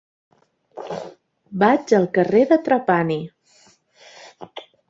Vaig al carrer de Trapani.